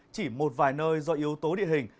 chỉ một vài nơi do yếu tố địa hình